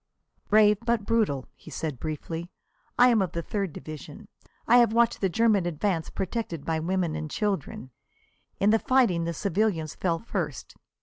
"Brave but brutal," he said briefly. "I am of the Third Division. I have watched the German advance protected by women and children. In the fighting the civilians fell first.